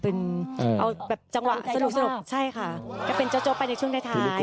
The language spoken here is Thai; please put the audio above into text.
เอาจังหวะสนุกใช่ค่ะไม่เป็นเจ้าที่แล้วก็เราไปในช่วงได้ทาย